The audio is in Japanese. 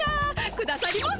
くださりませ。